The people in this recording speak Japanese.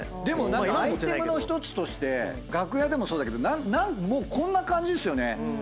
でもアイテムの１つとして楽屋でもそうだけどもうこんな感じですよね。